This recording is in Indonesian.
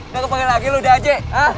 udah kepanggil lagi lo udah aja